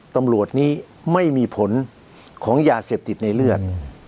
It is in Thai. ตำรวจนี้ไม่มีผลของยาเสพติดในเลือด